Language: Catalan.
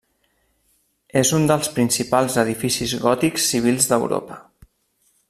És un dels principals edificis gòtics civils d'Europa.